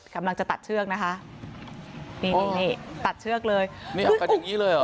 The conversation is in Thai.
กำลังจะตัดเชือกนะคะนี่นี่ตัดเชือกเลยนี่เอากันอย่างงี้เลยเหรอ